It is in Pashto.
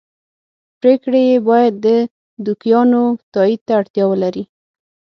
پرېکړې یې باید د دوکیانو تایید ته اړتیا ولري